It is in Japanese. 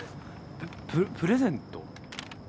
ププレゼント？